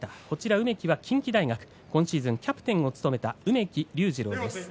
梅木は近畿大学今シーズンキャプテンを務めた梅木竜治郎です。